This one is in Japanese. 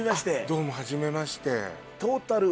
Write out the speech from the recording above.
どうもはじめまして。